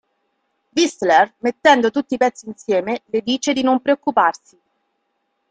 Whistler, mettendo tutti i pezzi insieme, le dice di non preoccuparsi.